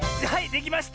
できました！